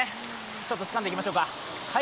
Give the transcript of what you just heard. ちょっとつかんでみましょうか。